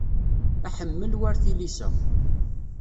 Aḥemmel war tilisa.